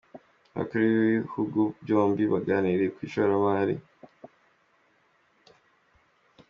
Abakuru b’ibihugu byombi baganiriye ku ishoramari.